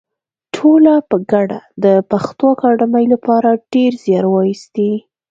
ټولو په ګډه د پښتو اکاډمۍ لپاره ډېر زیار وایستی